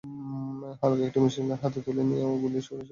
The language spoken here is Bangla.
হালকা একটি মেশিনগান হাতে তুলে নিয়ে গুলি ছুড়ে শত্রুদের রুখে দিতে থাকলেন।